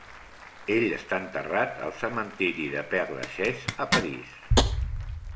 Ell està enterrat al cementiri de Père-Lachaise a Paris.